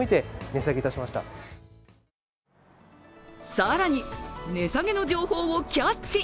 更に値下げの情報をキャッチ。